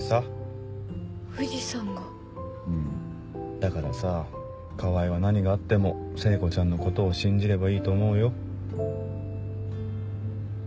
だからさ川合は何があっても聖子ちゃんのことを信じればいいと思うよ。